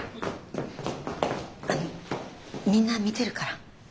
あのみんな見てるから。